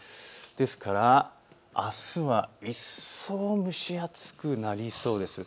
ですからあすは一層蒸し暑くなりそうです。